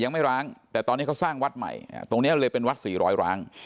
ไม่ร้างแต่ตอนนี้เขาสร้างวัดใหม่ตรงนี้เลยเป็นวัดสี่ร้อยร้าง